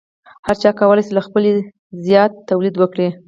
هر چا کولی شو له خپلې اړتیا زیات تولید وکړي.